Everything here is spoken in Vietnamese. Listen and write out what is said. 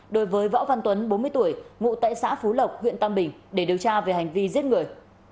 đối với võ văn tuấn bốn mươi tuổi ngụ tại xã phú lộc huyện tam bình để điều tra về hành vi giết người